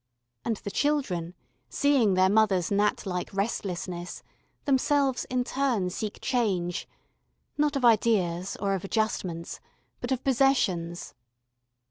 And the children, seeing their mother's gnat like restlessness, themselves, in turn, seek change, not of ideas or of adjustments, but of possessions.